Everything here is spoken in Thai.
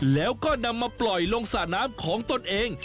แล้วก็นำมาปล่อยลงสระน้ำของตนเอง